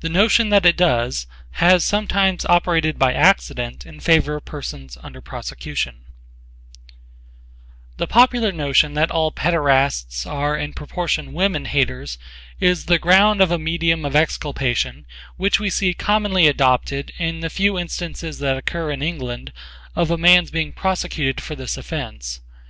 The notion that it does has sometimes operated by accident in favor of persons under prosecution The popular notion that all paederasts are in proportion women haters is the ground of a medium of exculpation which we see commonly adopted in the few instances that occur in England of a man's being prosecuted for this offence.